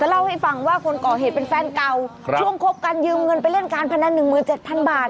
เล่าให้ฟังว่าคนก่อเหตุเป็นแฟนเก่าช่วงคบกันยืมเงินไปเล่นการพนันหนึ่งหมื่นเจ็ดพันบาท